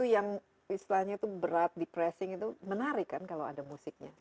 dan istilahnya tuh berat depressing itu menarik kan kalau ada musiknya